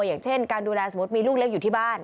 อย่างเช่นการดูแลสมมุติมีลูกเล็กอยู่ที่บ้าน